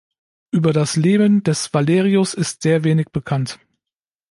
Über das Leben des Valerius ist sehr wenig bekannt.